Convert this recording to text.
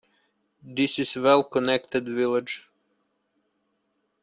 This is a well-connected village.